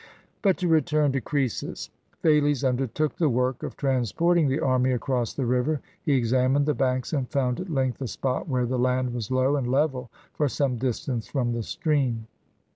But to return to Croesus. Thales undertook the work of transporting the army across the river. He examined the banks, and found, at length, a spot where the land was low and level for some distance from the stream.